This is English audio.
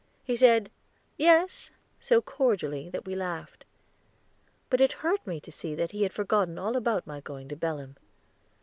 He said "Yes," so cordially, that we laughed. But it hurt me to see that he had forgotten all about my going to Belem.